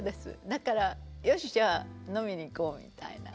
だから「よしじゃ飲みに行こう」みたいな。